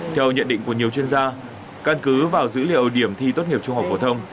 theo nhận định của nhiều chuyên gia căn cứ vào dữ liệu điểm thi tốt nghiệp trung học phổ thông